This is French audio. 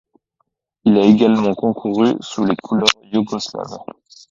Il a également concouru sous les couleurs yougoslaves.